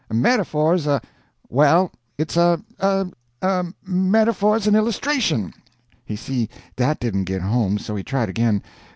"A metaphor's a—well, it's a—a—a metaphor's an illustration." He see that didn't git home, so he tried again.